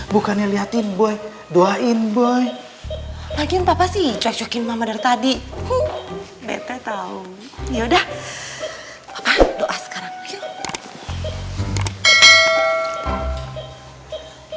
bukannya liatin boy doain boy lagi papa sih cuekin mama dari tadi bete tahu ya udah doa sekarang